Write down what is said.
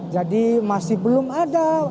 jadi masih belum ada